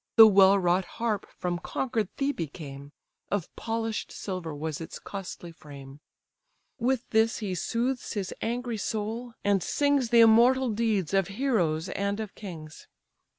(The well wrought harp from conquered Thebae came; Of polish'd silver was its costly frame.) With this he soothes his angry soul, and sings The immortal deeds of heroes and of kings.